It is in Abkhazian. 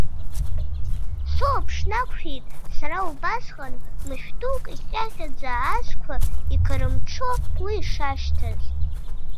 Сылаԥш нақәшәеит сара убасҟан, Мышә-дук, иҟьаҟьаӡа азқәа иқарымҽо уи ишашьҭаз.